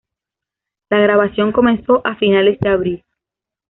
La grabación comenzó a finales de abril.